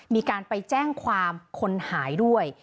มีการไปแจ้งความคนหายด้วย